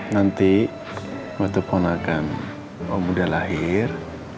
nanti waktu keponakan om udah lahir